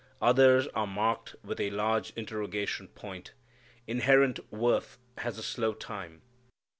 Others are marked with a large interrogation point. Inherent worth has a slow time.